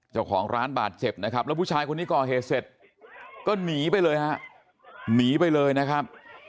เจ้าของร้านบาดเจ็บนะครับแล้วผู้ชายคนนี้ก่อเหตุเสร็จก็หนีไปเลยฮะหนีไปเลยนะครับ